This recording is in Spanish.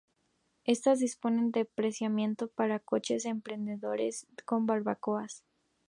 Estas disponen de aparcamientos para coches y merenderos con barbacoas.